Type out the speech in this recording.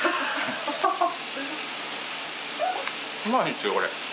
うまいんですよこれ。